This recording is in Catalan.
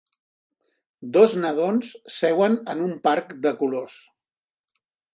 Dos nadons seuen en un parc de colors.